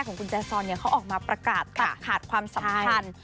ของคุณแจซอนเขาออกมาประกาศตัดขาดความสำคัญ